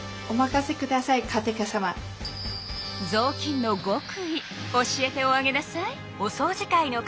ぞうきんのごくい教えておあげなさい。